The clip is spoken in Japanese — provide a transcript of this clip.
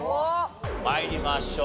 参りましょう。